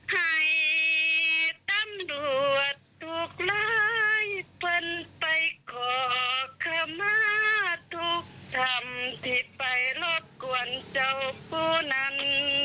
ให้ตำรวจถูกร้ายฟันไปขอข้ามาทุกธรรมที่ไปรบกวนเจ้าภูนั้น